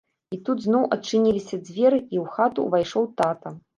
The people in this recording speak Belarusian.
І тут зноў адчыніліся дзверы і ў хату ўвайшоў тата.